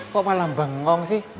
kok malah bengong sih